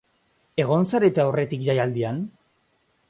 Egon zarete aurretik jaialdian?